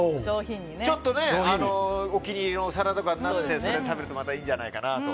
ちょっとお気に入りのお皿とかにのせて食べればまたいいんじゃないかなと。